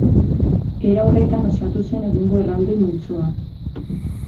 Era horretan osatu zen egungo erraldoi multzoa.